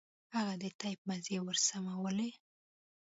هغه د ټېپ مزي ورسمول.